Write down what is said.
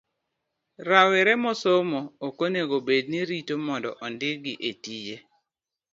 Rawere mosomo ok onego obed ni rito mondo ondikgi etije.